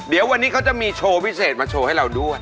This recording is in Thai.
เดี๋ยววันนี้เขาจะมีโชว์พิเศษมาโชว์ให้เราด้วย